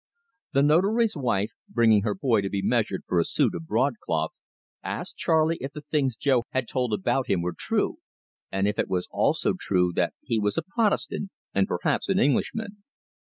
The Notary's wife, bringing her boy to be measured for a suit of broadcloth, asked Charley if the things Jo had told about him were true, and if it was also true that he was a Protestant, and perhaps an Englishman.